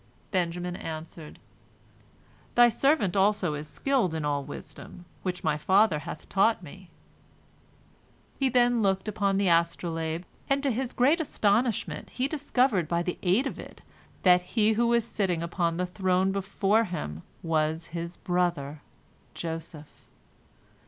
Benjamin answered, "Thy servant also is skilled in all wisdom, which my father hath taught me." He then looked upon the astrolabe, and to his great astonishment he discovered by the aid of it that he who was sitting upon the throne before him was his brother Joseph.